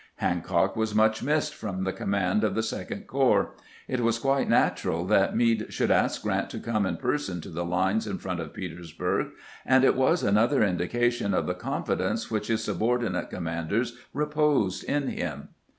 Hancock was much missed from the command of the Second Corps. It was quite natural that Meade should ask Grant to come in person to the lines in front of Petersburg, and it was another indication of the confidence which his subordinate com manders reposed in him.